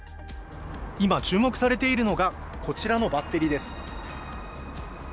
今、注目されているのが、こちらのバッテリーです。